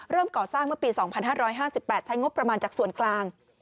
ก่อสร้างเมื่อปี๒๕๕๘ใช้งบประมาณจากส่วนกลาง